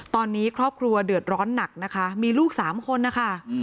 ตอนนี้ครอบครัวเดือดร้อนหนักนะคะมีลูก๓คนนะคะ